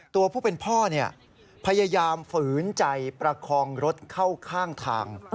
ตัวผู้เป็นพ่อพยายามฝืนใจประคองรถเข้าข้างทาง